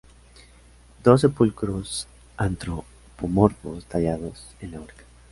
Dos sepulcros antropomorfos tallados en la roca.